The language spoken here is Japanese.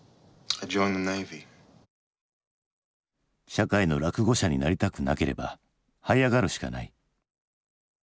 社会の落後者になりたくなければはい上がるしかない。